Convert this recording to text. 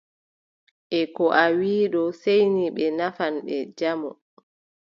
E ko a wii ɓe ɗo seeyni ɓe nafan ɓe jamu.